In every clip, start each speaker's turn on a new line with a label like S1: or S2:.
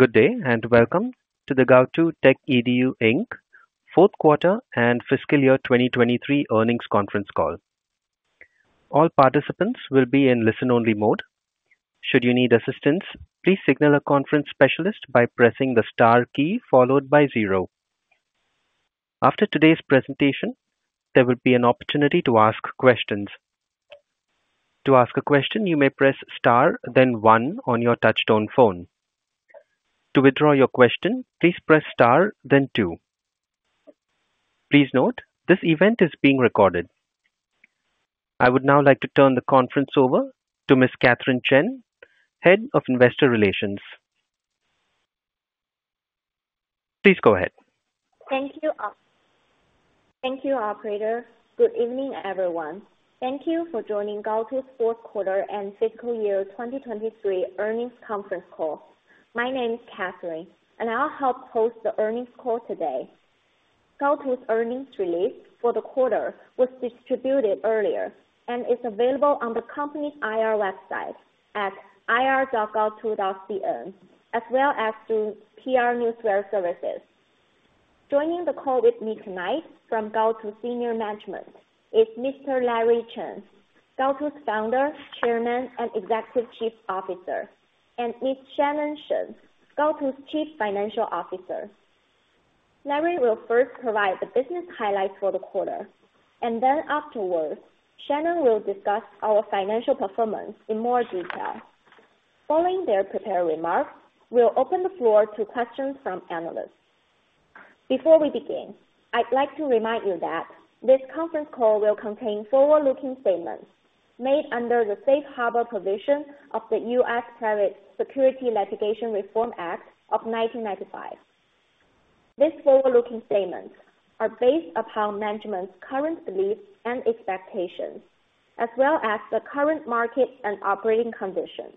S1: Good day, and welcome to the Gaotu Techedu Inc. Fourth Quarter and Fiscal Year 2023 Earnings Conference Call. All participants will be in listen-only mode. Should you need assistance, please signal a conference specialist by pressing the star key followed by zero. After today's presentation, there will be an opportunity to ask questions. To ask a question, you may press star, then one on your touchtone phone. To withdraw your question, please press star then two. Please note, this event is being recorded. I would now like to turn the conference over to Ms. Catherine Chen, Head of Investor Relations. Please go ahead.
S2: Thank you, operator. Good evening, everyone. Thank you for joining Gaotu's Fourth Quarter and Fiscal Year 2023 Earnings Conference Call. My name is Catherine, and I'll help host the earnings call today. Gaotu's earnings release for the quarter was distributed earlier and is available on the company's IR website at ir.gaotu.cn, as well as through PR Newswire services. Joining the call with me tonight from Gaotu Senior Management is Mr. Larry Chen, Gaotu's Founder, Chairman, and Chief Executive Officer, and Ms. Shannon Shen, Gaotu's Chief Financial Officer. Larry will first provide the business highlights for the quarter, and then afterwards, Shannon will discuss our financial performance in more detail. Following their prepared remarks, we'll open the floor to questions from analysts. Before we begin, I'd like to remind you that this conference call will contain forward-looking statements made under the safe harbor provision of the U.S. Private Securities Litigation Reform Act of 1995. These forward-looking statements are based upon management's current beliefs and expectations, as well as the current market and operating conditions.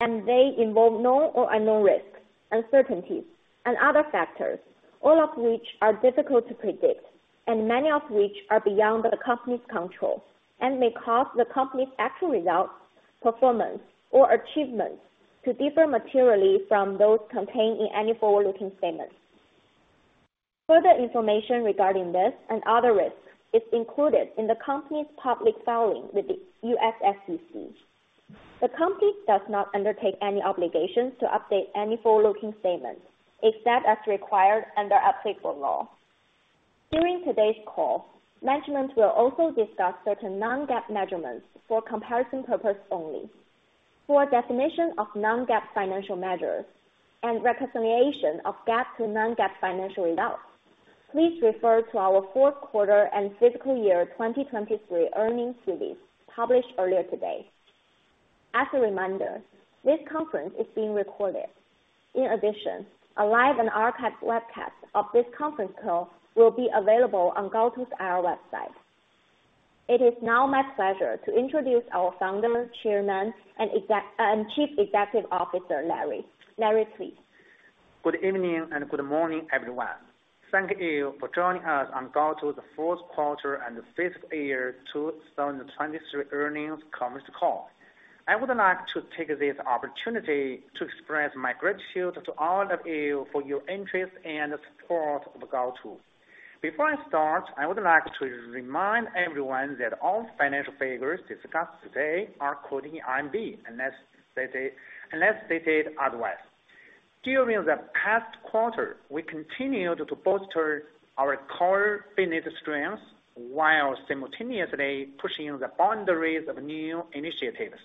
S2: They involve known or unknown risks, uncertainties, and other factors, all of which are difficult to predict, and many of which are beyond the company's control, and may cause the company's actual results, performance, or achievements to differ materially from those contained in any forward-looking statements. Further information regarding this and other risks is included in the company's public filing with the U.S. SEC. The company does not undertake any obligations to update any forward-looking statements, except as required under applicable law. During today's call, management will also discuss certain non-GAAP measurements for comparison purposes only. For a definition of non-GAAP financial measures and reconciliation of GAAP to non-GAAP financial results, please refer to our Fourth Quarter and Fiscal Year 2023 Earnings Release published earlier today. As a reminder, this conference is being recorded. In addition, a live and archived webcast of this conference call will be available on Gaotu's IR website. It is now my pleasure to introduce our founder, chairman, and executive and Chief Executive Officer, Larry. Larry, please.
S3: Good evening, and good morning, everyone. Thank you for joining us for Gaotu's Fourth Quarter and Fiscal Year 2023 Earnings Conference Call. I would like to take this opportunity to express my gratitude to all of you for your interest and support of Gaotu. Before I start, I would like to remind everyone that all financial figures discussed today are quoted in RMB unless stated otherwise. During the past quarter, we continued to bolster our core business strengths while simultaneously pushing the boundaries of new initiatives.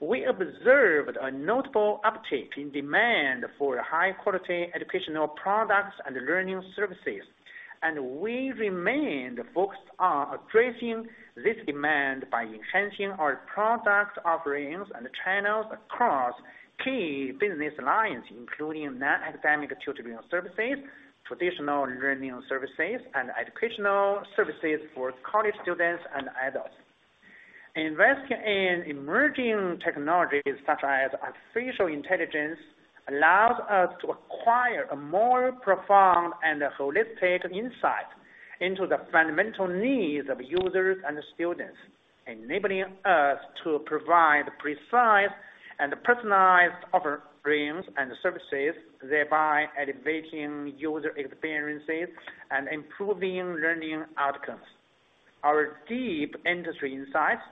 S3: We observed a notable uptick in demand for high-quality educational products and learning services, and we remained focused on addressing this demand by enhancing our product offerings and channels across key business lines, including non-academic tutoring services, traditional learning services, and educational services for college students and adults. Investing in emerging technologies such as artificial intelligence allows us to acquire a more profound and holistic insight into the fundamental needs of users and students, enabling us to provide precise and personalized offerings and services, thereby elevating user experiences and improving learning outcomes. Our deep industry insights,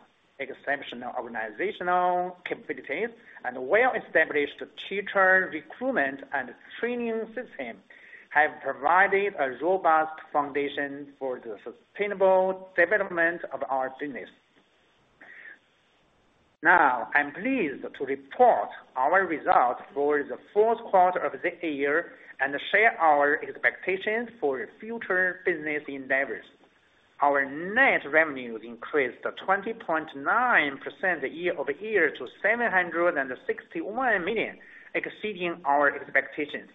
S3: exceptional organizational capabilities, and well-established teacher recruitment and training system, have provided a robust foundation for the sustainable development of our business. Now, I'm pleased to report our results for the fourth quarter of the year and share our expectations for future business endeavors. Our net revenues increased 20.9% year-over-year to 761 million, exceeding our expectations.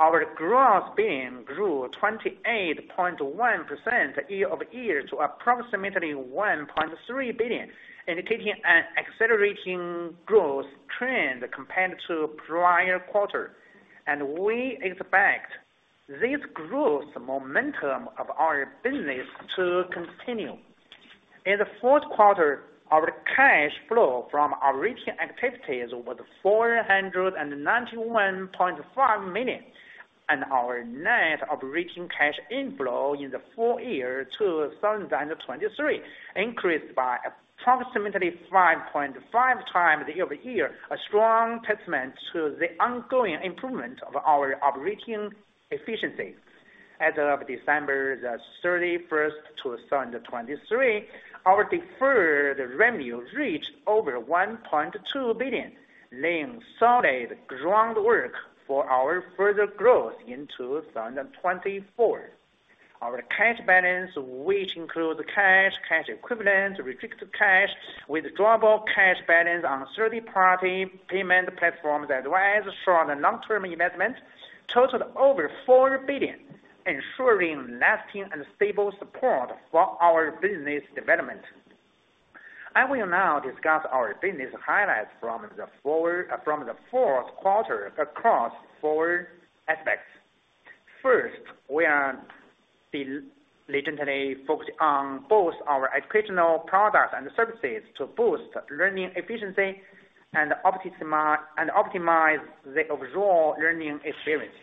S3: Our Gross Billings grew 28.1% year-over-year to approximately 1.3 billion, indicating an accelerating growth trend compared to prior quarter. We expect this growth momentum of our business to continue. In the fourth quarter, our cash flow from operating activities was 491.5 million, and our net operating cash inflow in the full year 2023 increased by approximately 5.5x year-over-year, a strong testament to the ongoing improvement of our operating efficiency. As of December 31st, 2023, our deferred revenue reached over 1.2 billion, laying solid groundwork for our further growth in 2024. Our cash balance, which includes cash, cash equivalents, restricted cash, withdrawable cash balance on third-party payment platforms, as well as short and long-term investments, totaled over 4 billion, ensuring lasting and stable support for our business development. I will now discuss our business highlights from the fourth quarter across four aspects. First, we are diligently focused on both our educational products and services to boost learning efficiency and optimize the overall learning experience.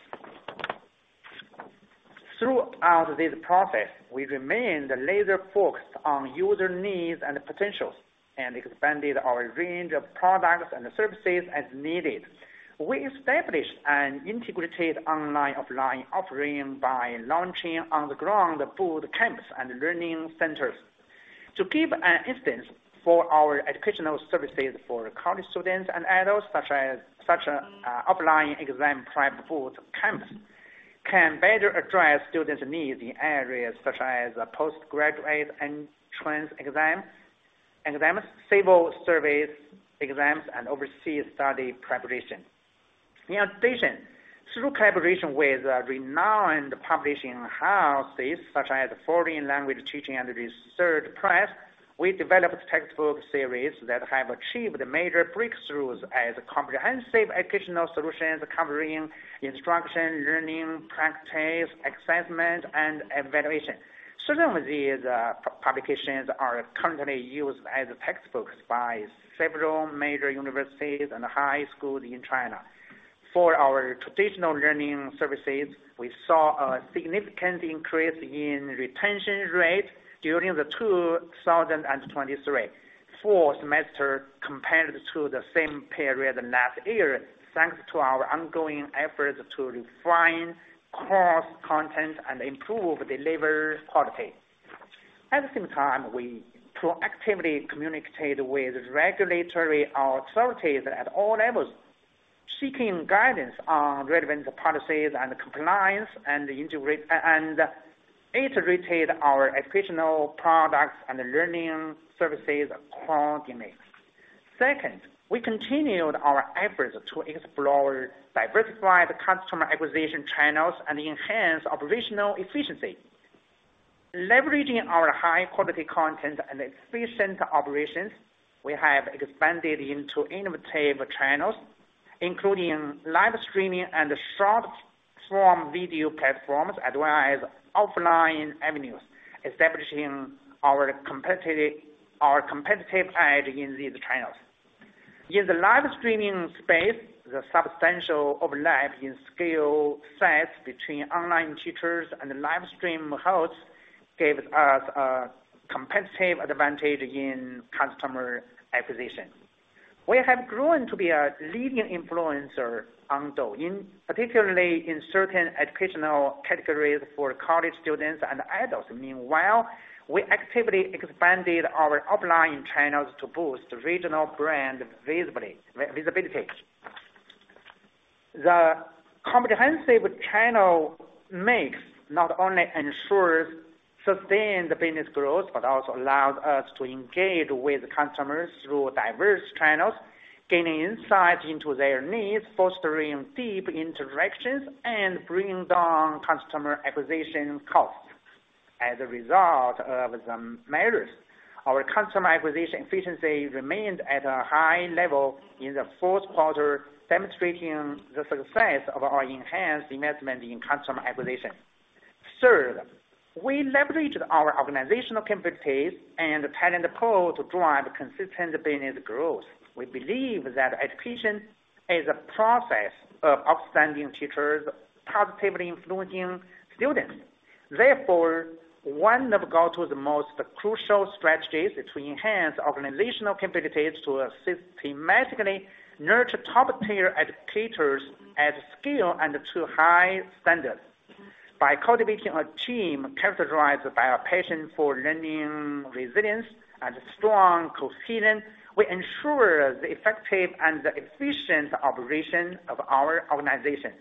S3: Throughout this process, we remained laser focused on user needs and potentials, and expanded our range of products and services as needed. We established an integrated online/offline offering by launching on-the-ground boot camps and learning centers. To give an instance, for our educational services for college students and adults, such as offline exam prep boot camps, can better address students' needs in areas such as postgraduate entrance exams, civil service exams, and overseas study preparation. In addition, through collaboration with renowned publishing houses, such as Foreign Language Teaching and Research Press, we developed textbook series that have achieved major breakthroughs as comprehensive educational solutions covering instruction, learning, practice, assessment, and evaluation. Some of these publications are currently used as textbooks by several major universities and high schools in China. For our traditional learning services, we saw a significant increase in retention rate during the 2023 fall semester compared to the same period last year, thanks to our ongoing efforts to refine course content and improve delivery quality. At the same time, we proactively communicated with regulatory authorities at all levels, seeking guidance on relevant policies and compliance, and iterated our educational products and learning services accordingly. Second, we continued our efforts to explore diversified customer acquisition channels and enhance operational efficiency. Leveraging our high quality content and efficient operations, we have expanded into innovative channels, including live streaming and short-form video platforms, as well as offline avenues, establishing our competitive edge in these channels. In the live streaming space, the substantial overlap in skill sets between online teachers and live stream hosts gave us a competitive advantage in customer acquisition. We have grown to be a leading influencer on Douyin, particularly in certain educational categories for college students and adults. Meanwhile, we actively expanded our offline channels to boost regional brand visibility. The comprehensive channel mix not only ensures sustained business growth, but also allows us to engage with customers through diverse channels, gaining insight into their needs, fostering deep interactions, and bringing down customer acquisition costs. As a result of the measures, our customer acquisition efficiency remained at a high level in the fourth quarter, demonstrating the success of our enhanced investment in customer acquisition. Third, we leveraged our organizational capabilities and talent pool to drive consistent business growth. We believe that education is a process of outstanding teachers positively influencing students. Therefore, one of Gaotu's most crucial strategies is to enhance organizational capabilities to systematically nurture top-tier educators at scale and to high standards. By cultivating a team characterized by a passion for learning, resilience, and strong cohesion, we ensure the effective and efficient operation of our organization.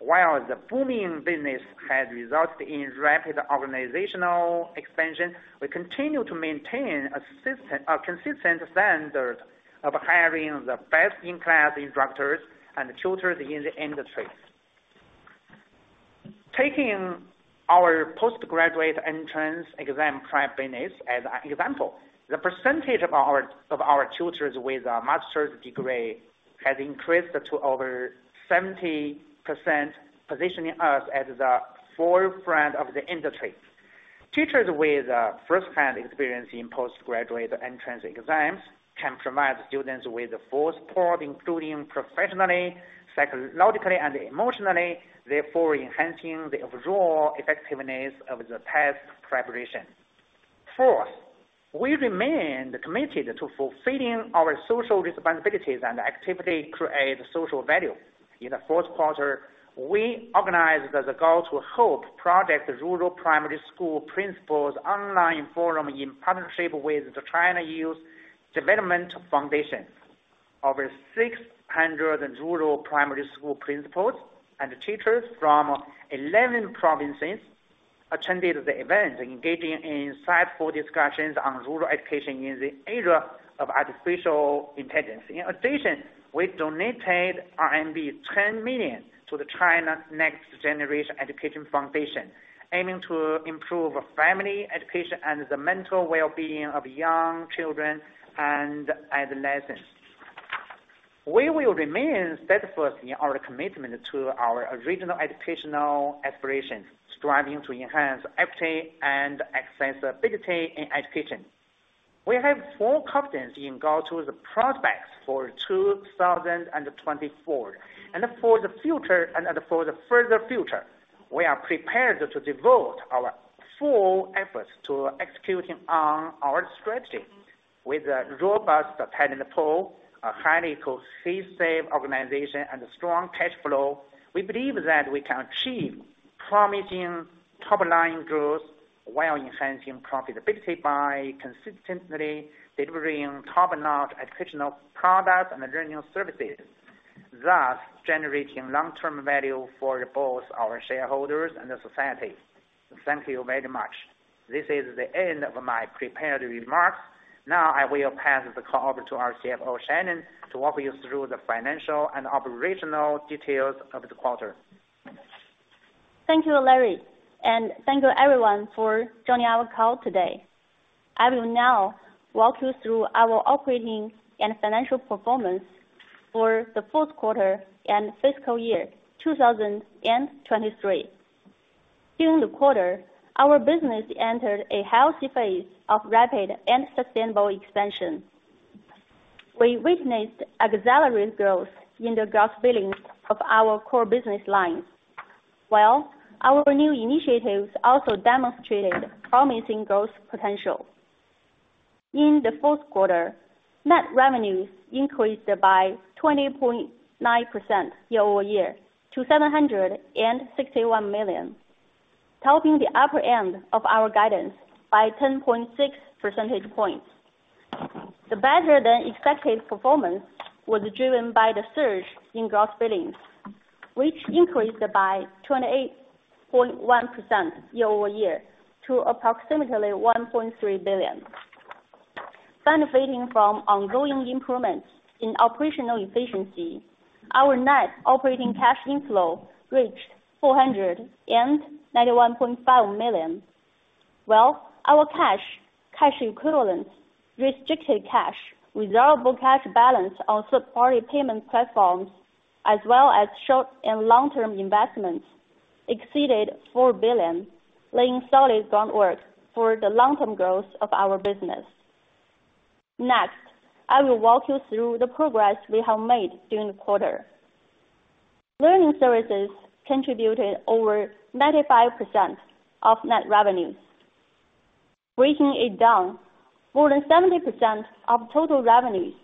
S3: While the booming business has resulted in rapid organizational expansion, we continue to maintain a consistent standard of hiring the best-in-class instructors and tutors in the industry. Taking our postgraduate entrance exam prep business as an example, the percentage of our tutors with a master's degree has increased to over 70%, positioning us at the forefront of the industry. Teachers with first-hand experience in postgraduate entrance exams can provide students with the full support, including professionally, psychologically, and emotionally, therefore enhancing the overall effectiveness of the test preparation. Fourth, we remain committed to fulfilling our social responsibilities and actively create social value. In the fourth quarter, we organized the Gaotu Hope Project Rural Primary School Principals Online Forum in partnership with the China Youth Development Foundation. Over 600 rural primary school principals and teachers from 11 provinces attended the event, engaging in insightful discussions on rural education in the era of artificial intelligence. In addition, we donated RMB 10 million to the China Next Generation Education Foundation, aiming to improve family education and the mental wellbeing of young children and adolescents. We will remain steadfast in our commitment to our original educational aspirations, striving to enhance equity and accessibility in education. We have full confidence in Gaotu's prospects for 2024, and for the future, and, and for the further future, we are prepared to devote our full efforts to executing on our strategy. With a robust talent pool, a highly cohesive organization, and strong cash flow, we believe that we can achieve promising top-line growth while enhancing profitability by consistently delivering top-notch educational products and learning services, thus generating long-term value for both our shareholders and the society. Thank you very much. This is the end of my prepared remarks. Now, I will pass the call over to our CFO, Shannon, to walk you through the financial and operational details of the quarter.
S4: Thank you, Larry, and thank you everyone for joining our call today. I will now walk you through our operating and financial performance for the fourth quarter and fiscal year 2023. During the quarter, our business entered a healthy phase of rapid and sustainable expansion. We witnessed accelerated growth in the gross billings of our core business lines, while our new initiatives also demonstrated promising growth potential. In the fourth quarter, net revenues increased by 20.9% year-over-year to 761 million, topping the upper end of our guidance by 10.6 percentage points. The better than expected performance was driven by the surge in gross billings, which increased by 28.1% year-over-year to approximately 1.3 billion. Benefiting from ongoing improvements in operational efficiency, our net operating cash inflow reached 491.5 million, while our cash, cash equivalents, restricted cash, withdrawable cash balance on third party payment platforms, as well as short and long-term investments, exceeded 4 billion, laying solid groundwork for the long-term growth of our business. Next, I will walk you through the progress we have made during the quarter. Learning services contributed over 95% of net revenues. Breaking it down, more than 70% of total revenues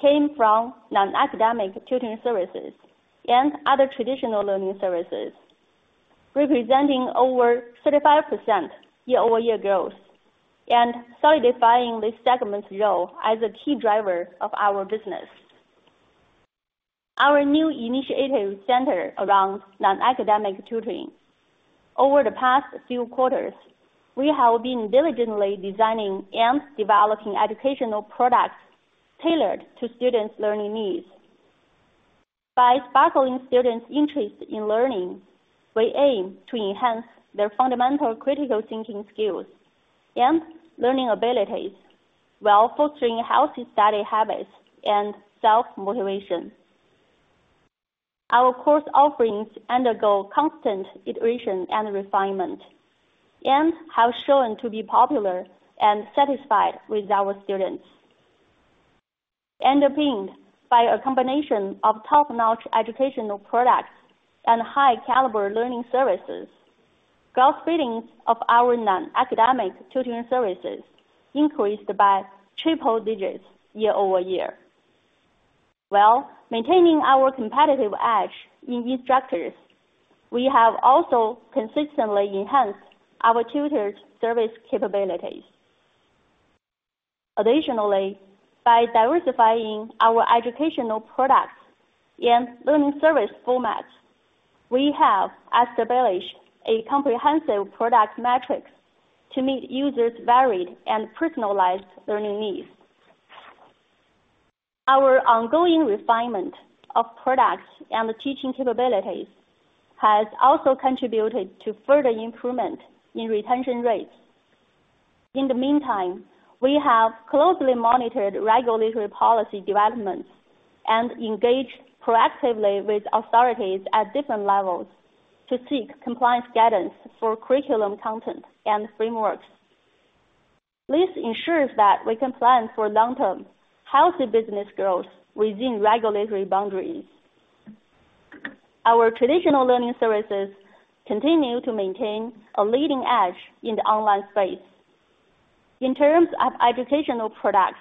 S4: came from non-academic tutoring services and other traditional learning services, representing over 35% year-over-year growth and solidifying this segment's role as a key driver of our business. Our new initiatives center around non-academic tutoring. Over the past few quarters, we have been diligently designing and developing educational products tailored to students' learning needs. By sparking students' interest in learning, we aim to enhance their fundamental critical thinking skills and learning abilities, while fostering healthy study habits and self-motivation. Our course offerings undergo constant iteration and refinement, and have shown to be popular and satisfied with our students. Underpinned by a combination of top-notch educational products and high caliber learning services, Gross Billings of our non-academic tutoring services increased by triple digits year-over-year. While maintaining our competitive edge in instructors, we have also consistently enhanced our tutored service capabilities. Additionally, by diversifying our educational products and learning service formats, we have established a comprehensive product matrix to meet users' varied and personalized learning needs. Our ongoing refinement of products and teaching capabilities has also contributed to further improvement in retention rates. In the meantime, we have closely monitored regulatory policy developments and engaged proactively with authorities at different levels to seek compliance guidance for curriculum content and frameworks. This ensures that we can plan for long-term healthy business growth within regulatory boundaries. Our traditional learning services continue to maintain a leading edge in the online space. In terms of educational products,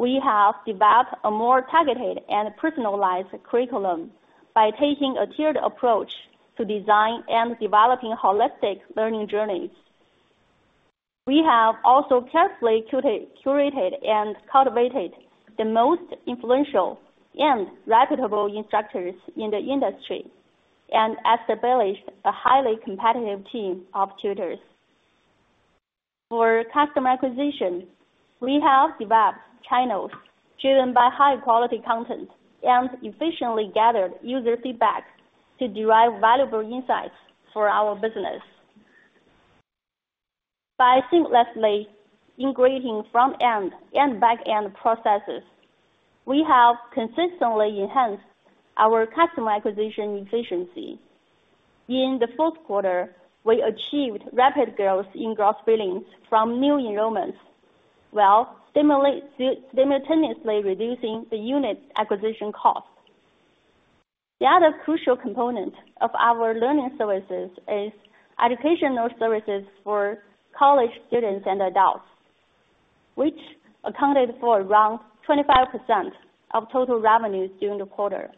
S4: we have developed a more targeted and personalized curriculum by taking a tiered approach to design and developing holistic learning journeys. We have also carefully curated and cultivated the most influential and reputable instructors in the industry, and established a highly competitive team of tutors. For customer acquisition, we have developed channels driven by high quality content, and efficiently gathered user feedback to derive valuable insights for our business. By seamlessly integrating front-end and back-end processes, we have consistently enhanced our customer acquisition efficiency. In the fourth quarter, we achieved rapid growth in gross billings from new enrollments, while simultaneously reducing the unit acquisition cost. The other crucial component of our learning services is educational services for college students and adults, which accounted for around 25% of total revenues during the quarter.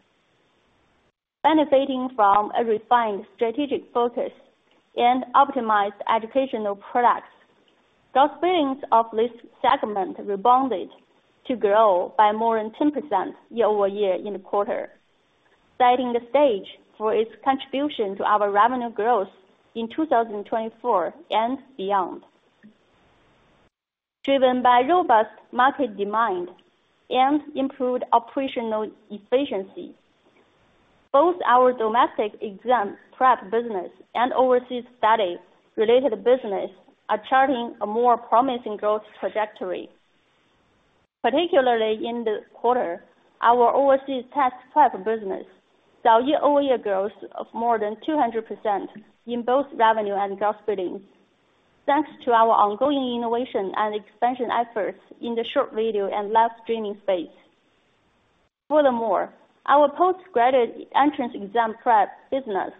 S4: Benefiting from a refined strategic focus and optimized educational products, gross billings of this segment rebounded to grow by more than 10% year-over-year in the quarter, setting the stage for its contribution to our revenue growth in 2024 and beyond. Driven by robust market demand and improved operational efficiency, both our domestic exam prep business and overseas study related business are charting a more promising growth trajectory. Particularly in this quarter, our overseas test prep business saw year-over-year growth of more than 200% in both revenue and gross billings, thanks to our ongoing innovation and expansion efforts in the short video and live streaming space. Furthermore, our postgraduate entrance exam prep business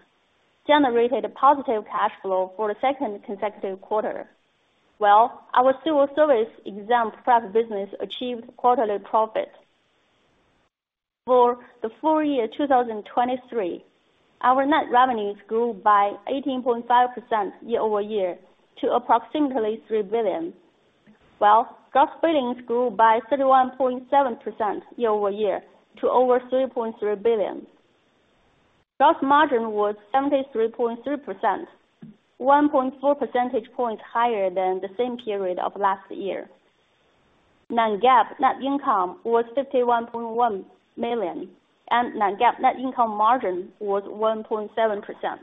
S4: generated a positive cash flow for the second consecutive quarter, while our civil service exam prep business achieved quarterly profit. For the full year 2023, our net revenues grew by 18.5% year-over-year to approximately 3 billion, while gross billings grew by 31.7% year-over-year to over 3.3 billion. Gross margin was 73.3%, 1.4 percentage points higher than the same period of last year. Non-GAAP net income was 51.1 million, and non-GAAP net income margin was 1.7%.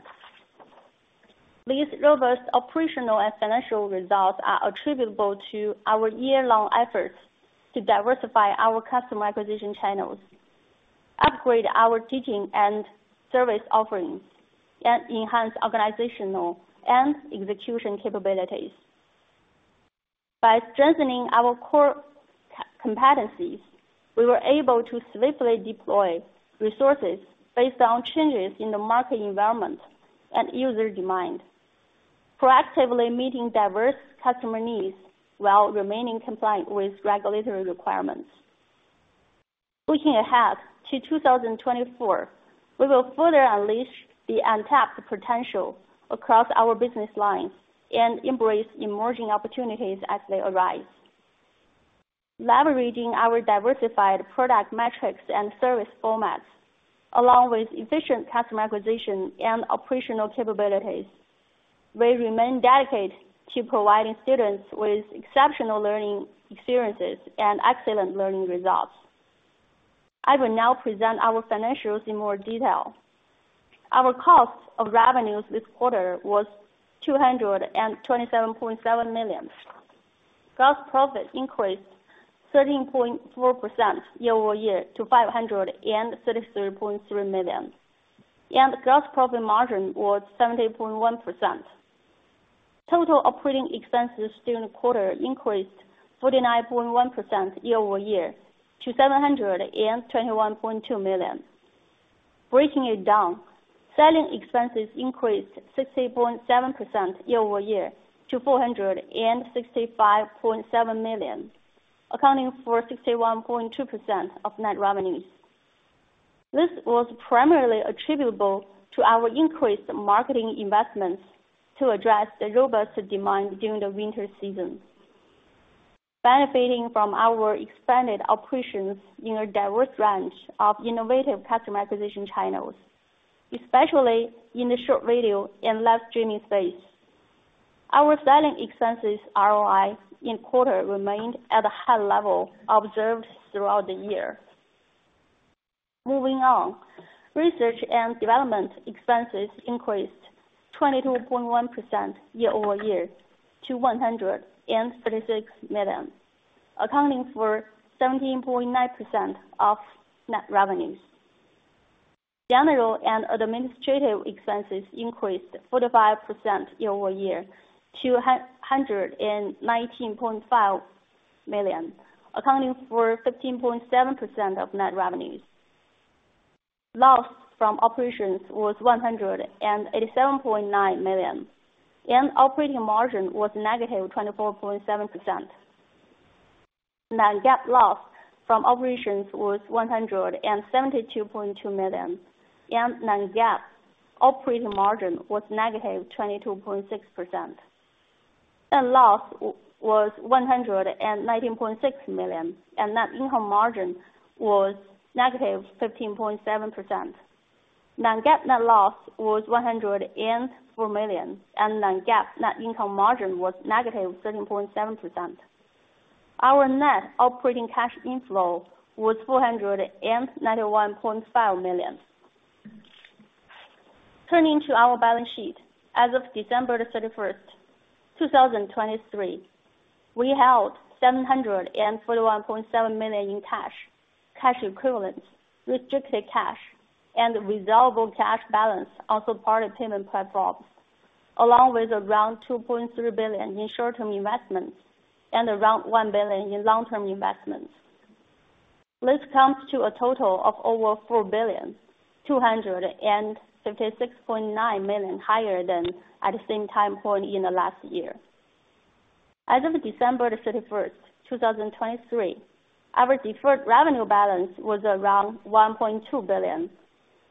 S4: These robust operational and financial results are attributable to our year-long efforts to diversify our customer acquisition channels, upgrade our teaching and service offerings, and enhance organizational and execution capabilities. By strengthening our core competencies, we were able to swiftly deploy resources based on changes in the market environment and user demand, proactively meeting diverse customer needs while remaining compliant with regulatory requirements. Looking ahead to 2024, we will further unleash the untapped potential across our business lines and embrace emerging opportunities as they arise. Leveraging our diversified product matrix and service formats, along with efficient customer acquisition and operational capabilities, we remain dedicated to providing students with exceptional learning experiences and excellent learning results. I will now present our financials in more detail. Our cost of revenues this quarter was 227.7 million. Gross profit increased 13.4% year-over-year to 533.3 million, and gross profit margin was 70.1%. Total operating expenses during the quarter increased 49.1% year-over-year to 721.2 million. Breaking it down, selling expenses increased 60.7% year-over-year to 465.7 million, accounting for 61.2% of net revenues. This was primarily attributable to our increased marketing investments to address the robust demand during the winter season. Benefiting from our expanded operations in a diverse range of innovative customer acquisition channels, especially in the short video and live streaming space. Our selling expenses ROI in quarter remained at a high level observed throughout the year.... Moving on, research and development expenses increased 22.1% year-over-year to 136 million, accounting for 17.9% of net revenues. General and administrative expenses increased 45% year-over-year to 119.5 million, accounting for 15.7% of net revenues. Loss from operations was 187.9 million, and operating margin was -24.7%. Non-GAAP loss from operations was 172.2 million, and non-GAAP operating margin was -22.6%. Net loss was 119.6 million, and net income margin was -15.7%. Non-GAAP net loss was 104 million, and non-GAAP net income margin was -13.7%. Our net operating cash inflow was 491.5 million. Turning to our balance sheet, as of December 31st, 2023, we held 741.7 million in cash, cash equivalents, restricted cash, and withdrawable cash balance on third-party payment platforms, along with around 2.3 billion in short-term investments and around 1 billion in long-term investments. This comes to a total of over 4.2569 billion, higher than at the same time point in the last year. As of December 31st, 2023, our deferred revenue balance was around 1.2 billion,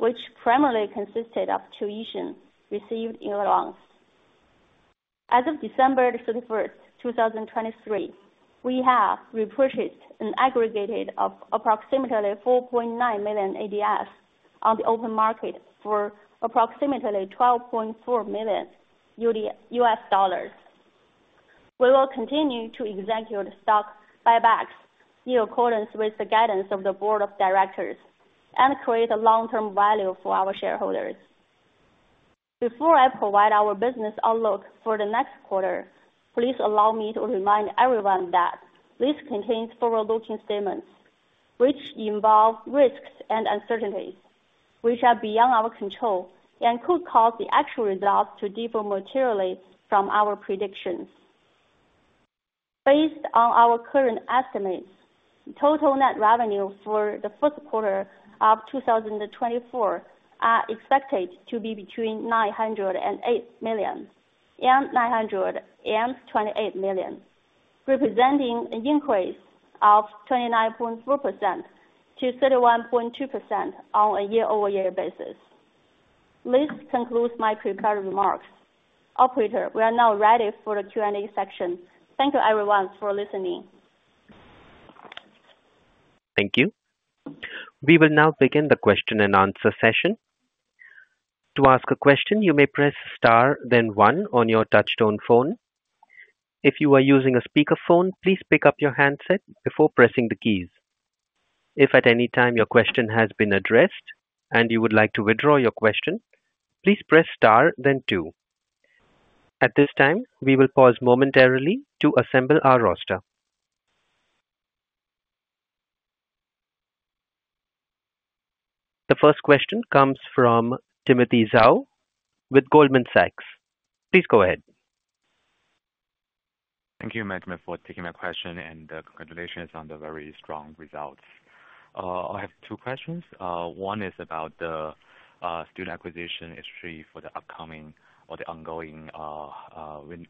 S4: which primarily consisted of tuition received in advance. As of December 31st, 2023, we have repurchased an aggregate of approximately 4.9 million ADSs on the open market for approximately $12.4 million. We will continue to execute stock buybacks in accordance with the guidance of the board of directors and create long-term value for our shareholders. Before I provide our business outlook for the next quarter, please allow me to remind everyone that this contains forward-looking statements, which involve risks and uncertainties which are beyond our control and could cause the actual results to differ materially from our predictions. Based on our current estimates, total net revenue for the first quarter of 2024 is expected to be between 908 million and 928 million, representing an increase of 29.4%-31.2% on a year-over-year basis. This concludes my prepared remarks. Operator, we are now ready for the Q&A section. Thank you everyone for listening.
S1: Thank you. We will now begin the question-and-answer session. To ask a question, you may press star then one on your touchtone phone. If you are using a speakerphone, please pick up your handset before pressing the keys. If at any time your question has been addressed and you would like to withdraw your question, please press star then two. At this time, we will pause momentarily to assemble our roster. The first question comes from Timothy Zhao with Goldman Sachs. Please go ahead.
S5: Thank you, management, for taking my question, and, congratulations on the very strong results. I have two questions. One is about the student acquisition history for the upcoming or the ongoing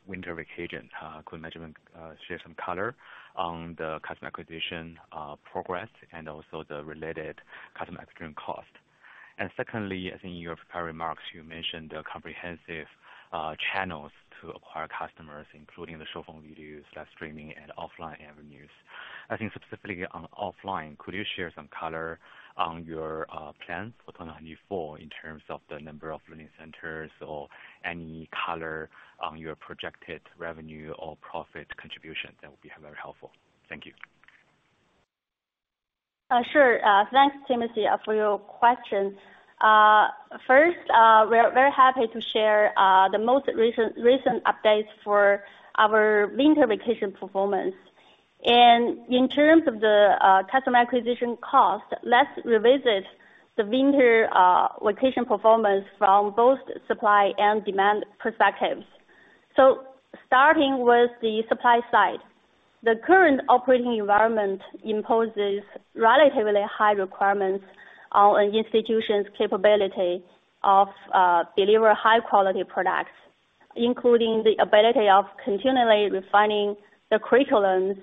S5: winter vacation. Could management share some color on the customer acquisition progress, and also the related customer acquisition cost? And secondly, I think in your prepared remarks, you mentioned the comprehensive channels to acquire customers, including the Douyin videos, live streaming, and offline avenues. I think specifically on offline, could you share some color on your plans for 2024 in terms of the number of learning centers or any color on your projected revenue or profit contribution? That would be very helpful. Thank you.
S4: Sure. Thanks, Timothy, for your question. First, we are very happy to share the most recent updates for our winter vacation performance. In terms of the customer acquisition cost, let's revisit the winter vacation performance from both supply and demand perspectives. Starting with the supply side, the current operating environment imposes relatively high requirements on an institution's capability of deliver high quality products, including the ability of continually refining the curriculums,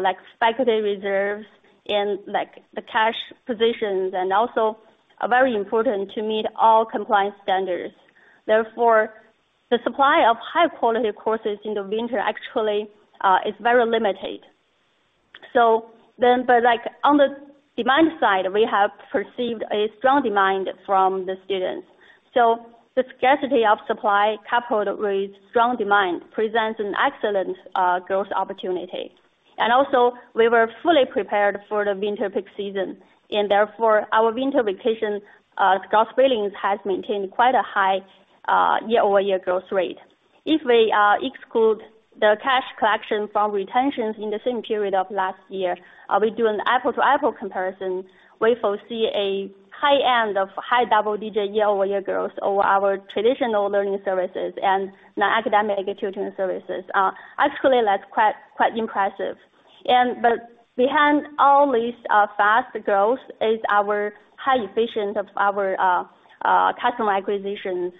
S4: like faculty reserves and, like, the cash positions, and also very important to meet all compliance standards. Therefore, the supply of high quality courses in the winter actually is very limited. So then, but like on the demand side, we have perceived a strong demand from the students. So the scarcity of supply coupled with strong demand presents an excellent growth opportunity. And also, we were fully prepared for the winter peak season, and therefore our winter vacation gross billings has maintained quite a high year-over-year growth rate. If we exclude the cash collection from retentions in the same period of last year, we do an apples-to-apples comparison, we foresee a high end of high double-digit year-over-year growth over our traditional learning services and non-academic tutoring services. Actually, that's quite, quite impressive. And but behind all these fast growth is our high efficiency of our customer acquisitions.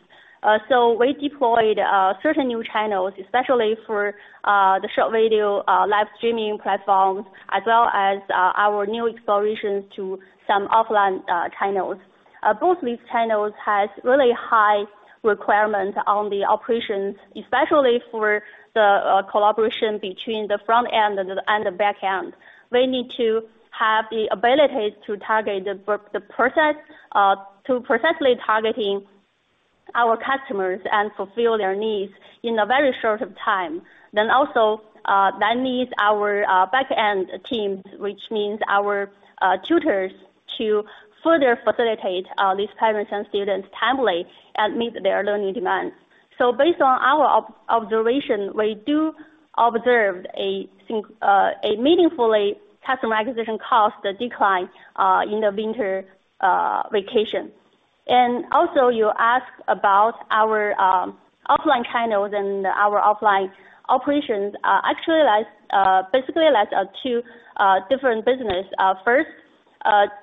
S4: So we deployed certain new channels, especially for the short video live streaming platforms, as well as our new explorations to some offline channels. Both these channels has really high requirements on the operations, especially for the collaboration between the front end and the back end. We need to have the ability to target the process to precisely targeting our customers and fulfill their needs in a very short of time. Then also, that needs our back-end teams, which means our tutors, to further facilitate these parents and students timely and meet their learning demands. So based on our observation, we do observe a meaningful customer acquisition cost decline in the winter vacation. Also, you ask about our offline channels and our offline operations. Actually, that's basically that's two different business. First,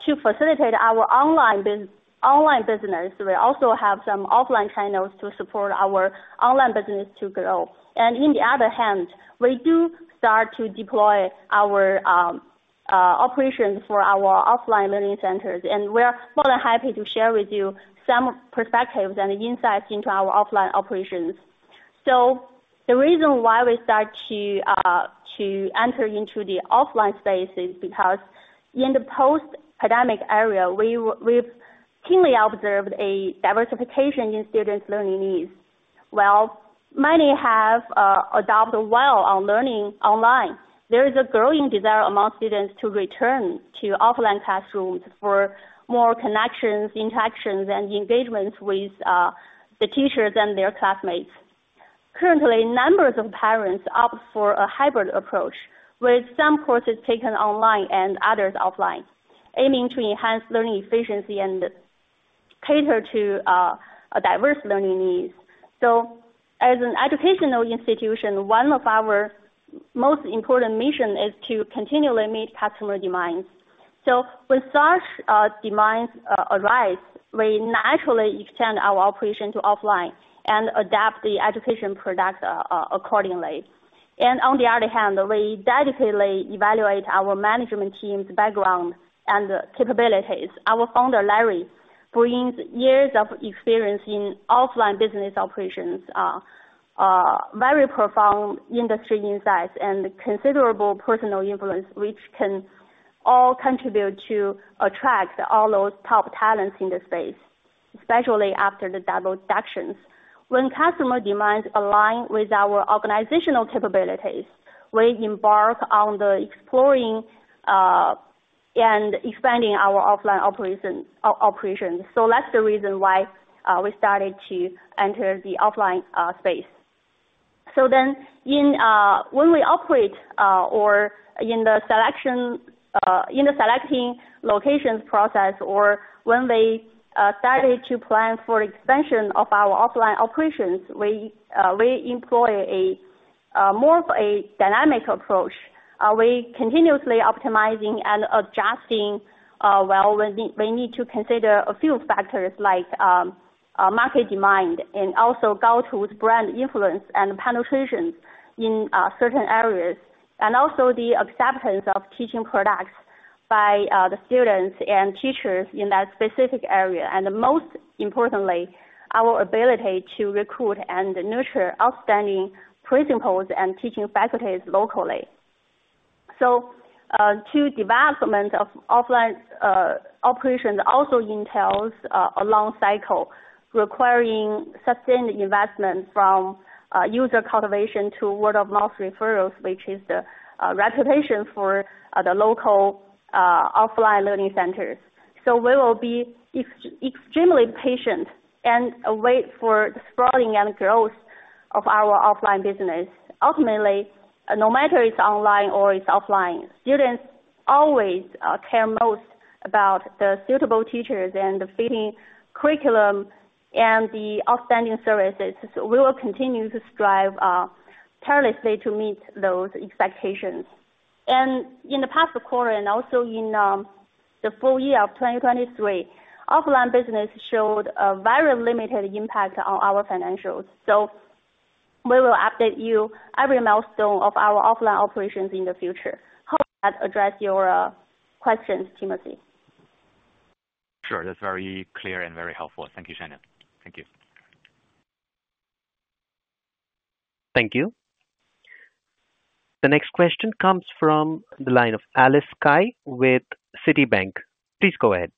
S4: to facilitate our online business, we also have some offline channels to support our online business to grow. On the other hand, we do start to deploy our operations for our offline learning centers, and we're more than happy to share with you some perspectives and insights into our offline operations. The reason why we start to enter into the offline space is because in the post-pandemic era, we've keenly observed a diversification in students' learning needs. While many have adopted well on learning online, there is a growing desire among students to return to offline classrooms for more connections, interactions, and engagements with the teachers and their classmates. Currently, numbers of parents opt for a hybrid approach, with some courses taken online and others offline, aiming to enhance learning efficiency and cater to a diverse learning needs. So as an educational institution, one of our most important mission is to continually meet customer demands. So when such demands arise, we naturally extend our operation to offline and adapt the education product accordingly. And on the other hand, we deliberately evaluate our management team's background and capabilities. Our founder, Larry, brings years of experience in offline business operations, very profound industry insights and considerable personal influence, which can all contribute to attract all those top talents in this space, especially after the double reduction. When customer demands align with our organizational capabilities, we embark on exploring and expanding our offline operations. So that's the reason why we started to enter the offline space. So then, when we operate or in the selection in the selecting locations process or when we started to plan for expansion of our offline operations, we employ a more of a dynamic approach. We continuously optimizing and adjusting, well, we need to consider a few factors, like market demand, and also go with brand influence and penetration in certain areas, and also the acceptance of teaching products by the students and teachers in that specific area, and most importantly, our ability to recruit and nurture outstanding principals and teaching faculties locally. So, to development of offline operations also entails a long cycle requiring sustained investment from user cultivation to word-of-mouth referrals, which is the reputation for the local offline learning centers. So we will be extremely patient and wait for the sprawling and growth of our offline business. Ultimately, no matter it's online or it's offline, students always care most about the suitable teachers and the fitting curriculum and the outstanding services. So we will continue to strive tirelessly to meet those expectations. And in the past quarter, and also in the full year of 2023, offline business showed a very limited impact on our financials. So we will update you every milestone of our offline operations in the future. Hope that address your questions, Timothy.
S5: Sure. That's very clear and very helpful. Thank you, Shannon. Thank you.
S1: Thank you. The next question comes from the line of Alice Cai with Citibank. Please go ahead....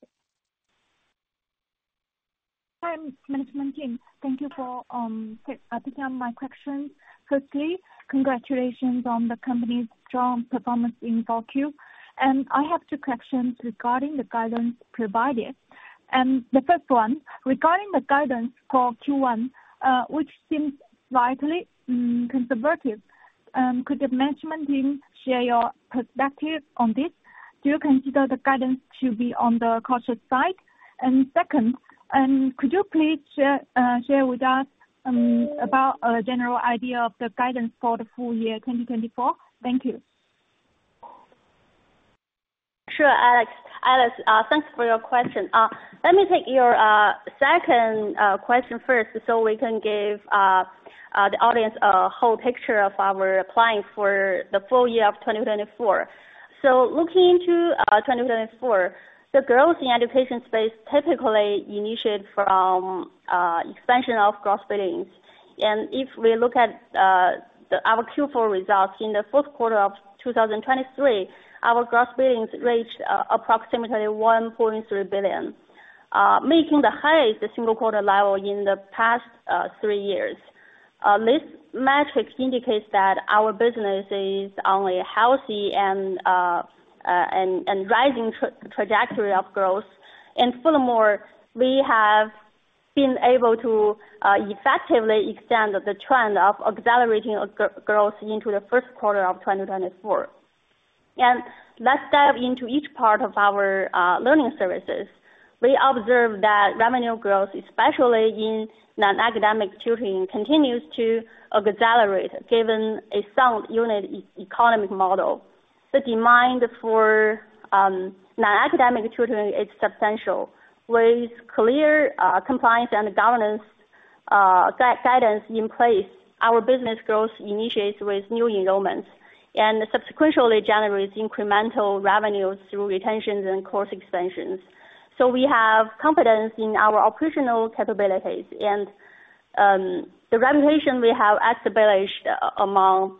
S6: Hi, management team, thank you for taking on my questions. Firstly, congratulations on the company's strong performance in 4Q. And I have two questions regarding the guidance provided. And the first one, regarding the guidance for Q1, which seems slightly conservative, could the management team share your perspective on this? Do you consider the guidance to be on the cautious side? And second, could you please share with us about a general idea of the guidance for the full year 2024? Thank you.
S4: Sure, Alice. Alice, thanks for your question. Let me take your second question first, so we can give the audience a whole picture of our plan for the full year of 2024. Looking into 2024, the growth in education space typically initiate from expansion of gross billings. If we look at our Q4 results in the fourth quarter of 2023, our gross billings reached approximately 1.3 billion, making the highest single quarter level in the past three years. This metrics indicates that our business is on a healthy and rising trajectory of growth. Furthermore, we have been able to effectively extend the trend of accelerating growth into the first quarter of 2024. Let's dive into each part of our learning services. We observe that revenue growth, especially in non-academic tutoring, continues to accelerate, given a sound unit economic model. The demand for non-academic tutoring is substantial. With clear compliance and governance guidance in place, our business growth initiates with new enrollments, and subsequently generates incremental revenues through retentions and course expansions. So we have confidence in our operational capabilities and the reputation we have established among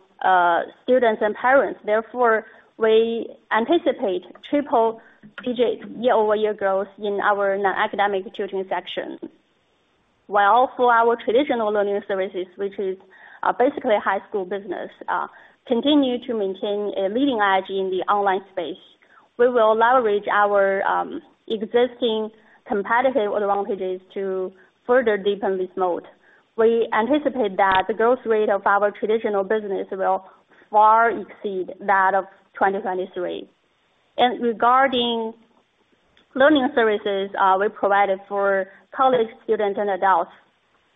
S4: students and parents. Therefore, we anticipate triple-digit year-over-year growth in our non-academic tutoring section. While for our traditional learning services, which is basically high school business, continue to maintain a leading edge in the online space. We will leverage our existing competitive advantages to further deepen this moat. We anticipate that the growth rate of our traditional business will far exceed that of 2023. Regarding learning services we provided for college students and adults,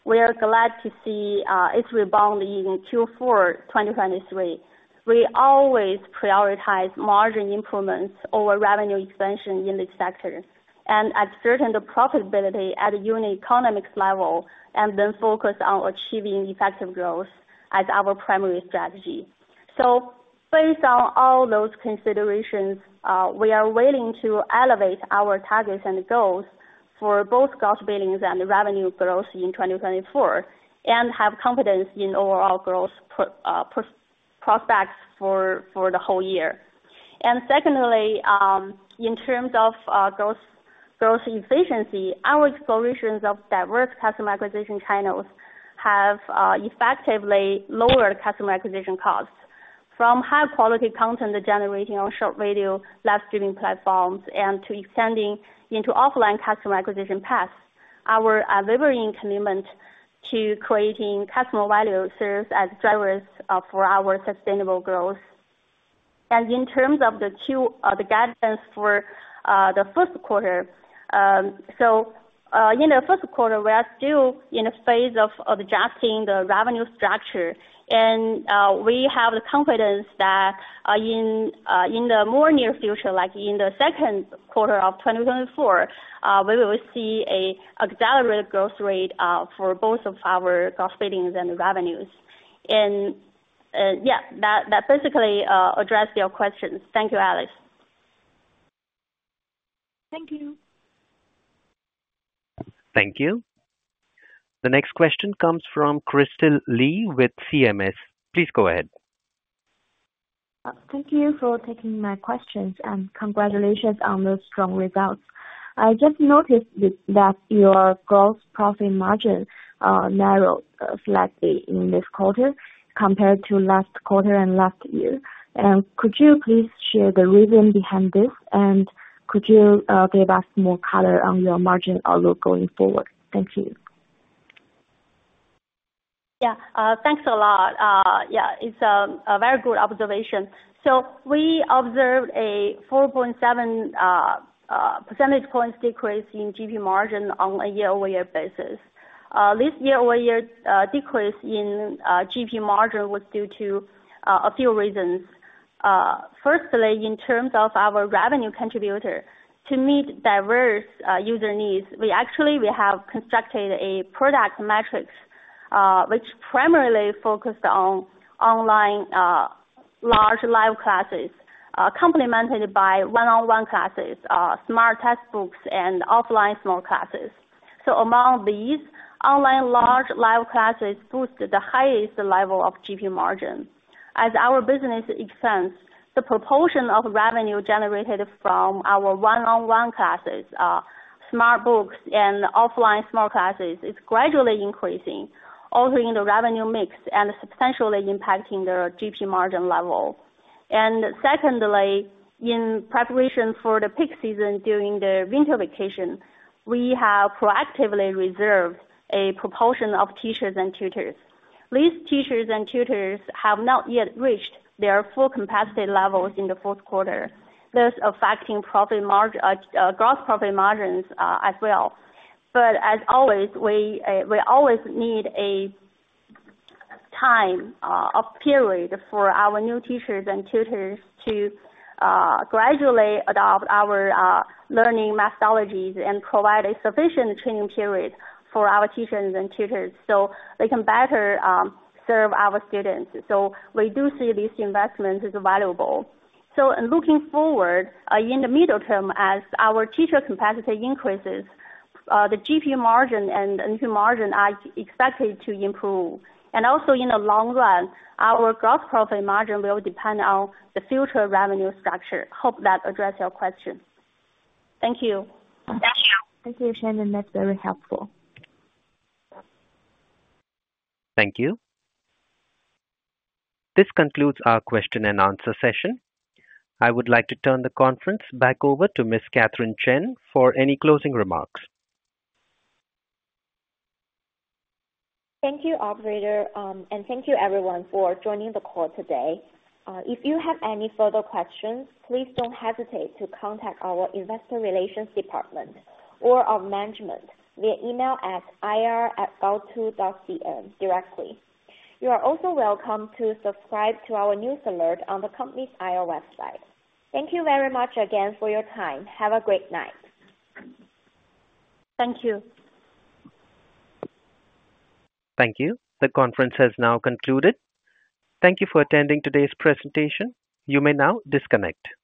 S4: we are glad to see its rebound in Q4 2023. We always prioritize margin improvements over revenue expansion in this sector, and ascertain the profitability at a unit economics level, and then focus on achieving effective growth as our primary strategy. Based on all those considerations, we are willing to elevate our targets and goals for both gross billings and revenue growth in 2024, and have confidence in overall growth prospects for the whole year. Secondly, in terms of growth efficiency, our explorations of diverse customer acquisition channels have effectively lowered customer acquisition costs. From high quality content generating on short video, live streaming platforms, and to extending into offline customer acquisition paths. Our unwavering commitment to creating customer value serves as drivers for our sustainable growth. And in terms of the Q, the guidance for the first quarter. So, in the first quarter, we are still in a phase of adjusting the revenue structure, and we have the confidence that in the more near future, like in the second quarter of 2024, we will see a accelerated growth rate for both of our gross billings and revenues. And yeah, that basically addressed your questions. Thank you, Alice.
S6: Thank you.
S1: Thank you. The next question comes from Crystal Li with CMS. Please go ahead.
S7: Thank you for taking my questions, and congratulations on those strong results. I just noticed that your gross profit margin narrowed slightly in this quarter compared to last quarter and last year. Could you please share the reason behind this? And could you give us more color on your margin outlook going forward? Thank you.
S4: Yeah, thanks a lot. Yeah, it's a very good observation. So we observed a 4.7 percentage points decrease in GP margin on a year-over-year basis. This year-over-year decrease in GP margin was due to a few reasons. Firstly, in terms of our revenue contributor, to meet diverse user needs, we actually have constructed a product matrix which primarily focused on online large live classes, complemented by one-on-one classes, smart textbooks, and offline small classes. So among these, online large live classes boosted the highest level of GP margin. As our business expands, the proportion of revenue generated from our one-on-one classes, smart books and offline small classes is gradually increasing, altering the revenue mix and substantially impacting the GP margin level. Secondly, in preparation for the peak season during the winter vacation, we have proactively reserved a proportion of teachers and tutors. These teachers and tutors have not yet reached their full capacity levels in the fourth quarter. Thus affecting profit margin, gross profit margins, as well. But as always, we always need a time, a period for our new teachers and tutors to gradually adopt our learning methodologies and provide a sufficient training period for our teachers and tutors, so they can better serve our students. We do see this investment as valuable. Looking forward, in the middle term, as our teacher capacity increases, the GP margin and NQ margin are expected to improve. And also in the long run, our gross profit margin will depend on the future revenue structure. Hope that addressed your question. Thank you.
S7: Thank you. Thank you, Shannon. That's very helpful.
S1: Thank you. This concludes our question and answer session. I would like to turn the conference back over to Ms. Catherine Chen for any closing remarks.
S2: Thank you, operator, and thank you everyone for joining the call today. If you have any further questions, please don't hesitate to contact our investor relations department or our management via email at ir@gaotu.cn directly. You are also welcome to subscribe to our news alert on the company's IR website. Thank you very much again for your time. Have a great night.
S4: Thank you.
S1: Thank you. The conference has now concluded. Thank you for attending today's presentation. You may now disconnect.